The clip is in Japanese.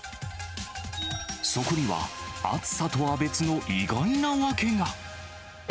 そこには、暑さとは別の意外な訳が。